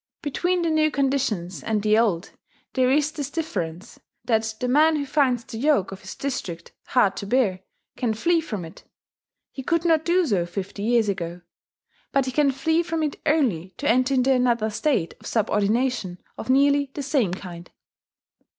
Between the new conditions and the old there is this difference, that the man who finds the yoke of his district hard to bear can flee from it: he could not do so fifty years ago. But he can flee from it only to enter into another state of subordination of nearly the same kind.